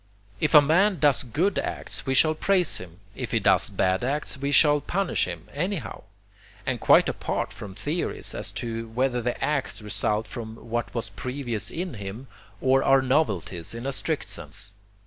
If a man does good acts we shall praise him, if he does bad acts we shall punish him anyhow, and quite apart from theories as to whether the acts result from what was previous in him or are novelties in a strict sense.